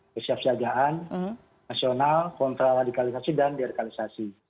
kesiap sejagaan nasional kontra radikalisasi dan de rekalisasi